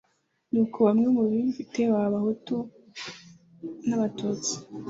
ni uko bamwe mu bifite baba abahutu n' abatutsi,